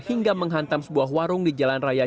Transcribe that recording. hingga menghantam sebuah warung di jalan raya